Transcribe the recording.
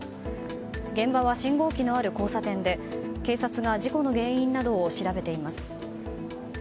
現場は信号機のある交差点で警察が事故の原因などを調べています。